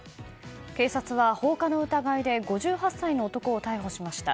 警察は、放火の疑いで５８歳の男を逮捕しました。